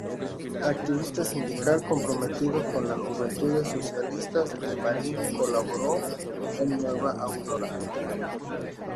Activista sindical, comprometido con las Juventudes Socialistas de Marín, colaboró en "Nueva Aurora".